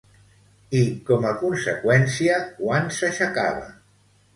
I com a conseqüència quan s'aixecava?